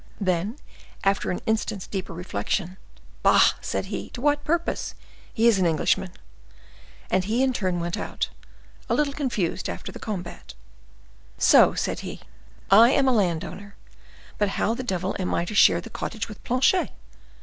Then, after an instant's deeper reflection,—"Bah!" said he, "to what purpose? He is an Englishman." And he in turn went out, a little confused after the combat. "So," said he, "I am a land owner! But how the devil am I to share the cottage with Planchet?